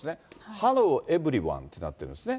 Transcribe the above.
ハロー、エブリワンってなってるんですね。